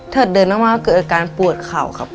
เถิดเดินเข้ามาก็เกิดการปวดเข่าครับ